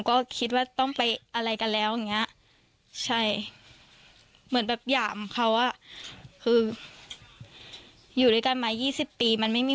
ก็วันอาทิตย์เนี้ยเออค่ะก็วันอาทิตย์เนี้าหรอคะ